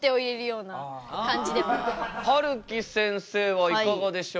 はるきせんせいはいかがでしょうか？